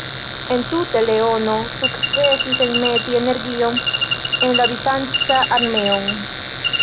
Entute, Leono sukcesis enmeti energion en la bizancan armeon.